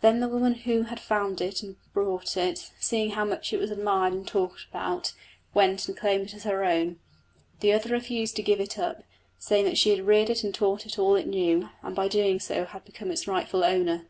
Then the woman who had found and brought it, seeing how much it was admired and talked about, went and claimed it as her own. The other refused to give it up, saying that she had reared it and had taught it all it knew, and by doing so had become its rightful owner.